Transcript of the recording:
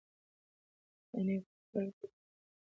دا نوی د فوټبال بوټ په پښو کې د ډېر ارام احساس ورکوي.